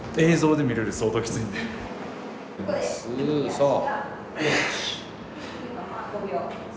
そう。